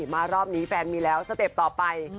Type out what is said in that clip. มารอบนี้แฟนมีแล้วสเต็ปต่อไป